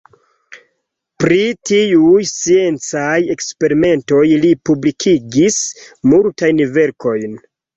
Pri tiuj sciencaj eksperimentoj li publikigis multajn verkojn.